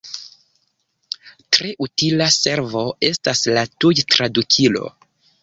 Tre utila servo estas la tuj-tradukilo.